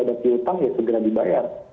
ada piutang ya segera dibayar